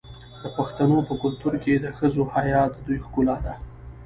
د پښتنو په کلتور کې د ښځو حیا د دوی ښکلا ده.